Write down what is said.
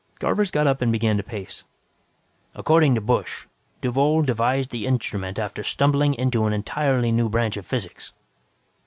Garvers got up and began to pace. "According to Busch, Duvall devised the instrument after stumbling into an entirely new branch of physics.